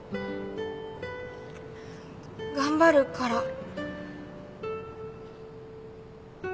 頑張るから。